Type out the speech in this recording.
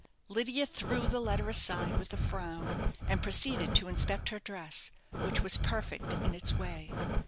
Lydia threw the letter aside with a frown, and proceeded to inspect her dress, which was perfect in its way.